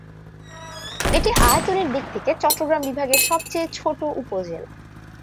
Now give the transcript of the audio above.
এটি আয়তনের দিক থেকে চট্টগ্রাম বিভাগের সবচেয়ে ছোট উপজেলা।